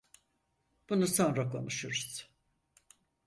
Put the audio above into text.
Bunu sonra konuşuruz.